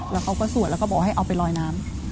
แล้วเขาก็สวดแล้วก็บอกให้เอาไปลอยน้ำ